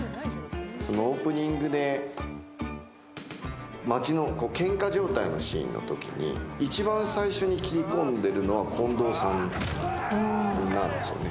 オープニングで街の、けんか状態のシーンのときに一番最初に斬り込んでいるのは近藤さんなんですよね。